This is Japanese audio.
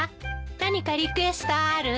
何かリクエストある？